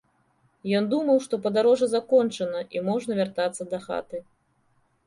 Ён думаў, што падарожжа закончана, і можна вяртацца дахаты.